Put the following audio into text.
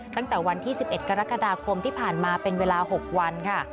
ตั้งแต่วันที่๑๑กรกฎาคมที่ผ่านมาเป็นเวลา๖วันค่ะ